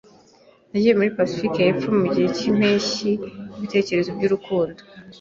Nagiye muri pasifika yepfo mugihe cyimpeshyi yibitekerezo byurukundo.